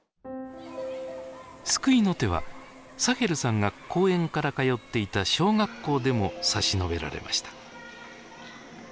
救いの手はサヘルさんが公園から通っていた小学校でも差し伸べられました。